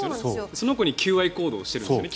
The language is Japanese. その子に求愛行動しているんですよね。